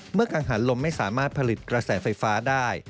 อาหารลมไม่สามารถผลิตกระแสไฟฟ้าได้